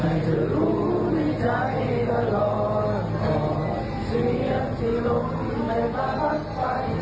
ให้เธอรู้ในใจตลอดขอเสียงที่ลุ่มในบัตรไฟ